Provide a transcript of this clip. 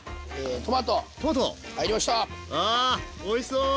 あおいしそう！